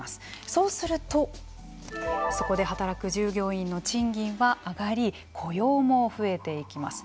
そうすると、そこで働く従業員の賃金が上がり雇用も増えていきます。